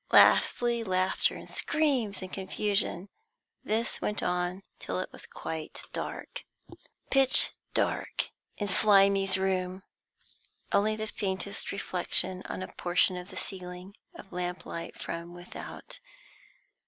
Lastly, laughter and screams and confusion. This went on till it was quite dark. Pitch dark in Slimy's room; only the faintest reflection on a portion of the ceiling of lamplight from without.